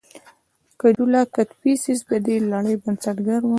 کجولا کدفیسس د دې لړۍ بنسټګر و